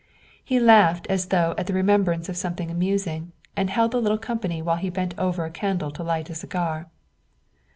He laughed as though at the remembrance of something amusing, and held the little company while he bent over a candle to light a cigar.